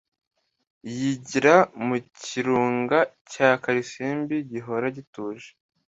yigira mu kirunga cya Kalisimbi gihora gituje,